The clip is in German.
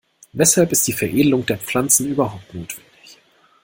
Weshalb ist die Veredelung der Pflanzen überhaupt notwendig?